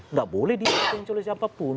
nggak boleh diadvencule siapapun